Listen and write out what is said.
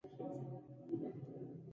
ګلاب د نرم احساس نماینده دی.